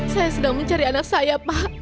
saya sedang mencari anak saya pak